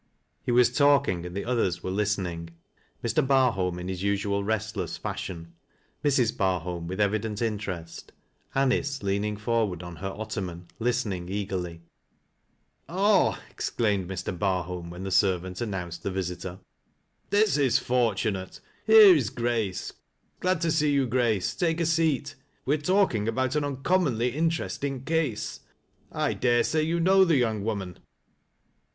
He was talking and the others were listen ing — ^Mr. Barholm in his usual restless fashion, Mrs. Bar holm with evident interest, Anice leaning forward on her ottoman, listening eagerly. " Ah !" exclaimed Mr. Barholm, when the servant an nounced the visitor, " this is fortunate. Here is Grace. Glad to see you, Grace. Take a seat. We are talking about an uncommonly interesting case. I dare say you know the young woman."